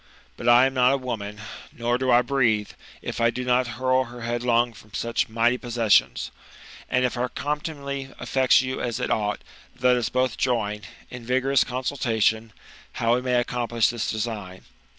But I am not a woman, nor do I breathe, if I do not hurl her headlong from such mighty possessions. And if our contumely affects you as it ought, let us both join, in vigourous consultation, how we may accomplish .this design.